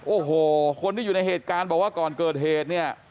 โอ้โหคนที่อยู่ในเหตุการณ์บอกว่าก่อนเกิดเหตุเนี่ย